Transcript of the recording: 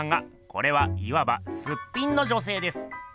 これはいわば「すっぴん」の女せいです。